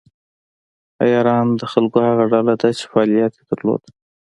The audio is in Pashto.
عیاران د خلکو هغه ډله ده چې فعالیت درلود.